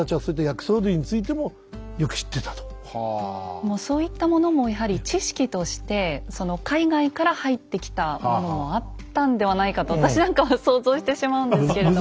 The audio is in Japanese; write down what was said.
ですからそういったものもやはり知識として海外から入ってきたものもあったんではないかと私なんかは想像してしまうんですけれども。